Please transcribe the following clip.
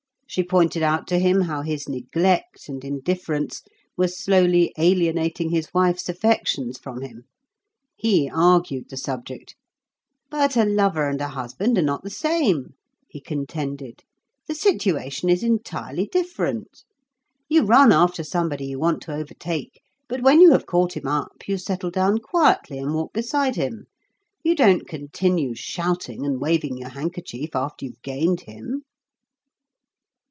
She pointed out to him how his neglect and indifference were slowly alienating his wife's affections from him. He argued the subject. "'But a lover and a husband are not the same,' he contended; 'the situation is entirely different. You run after somebody you want to overtake; but when you have caught him up, you settle down quietly and walk beside him; you don't continue shouting and waving your handkerchief after you have gained him.